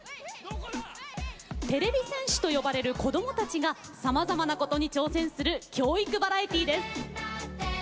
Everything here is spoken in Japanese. てれび戦士と呼ばれる子供たちがさまざまなことに挑戦する教育バラエティーです。